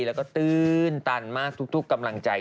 แล้วก็ตื้นตันมากทุกกำลังใจ